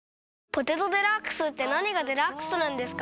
「ポテトデラックス」って何がデラックスなんですか？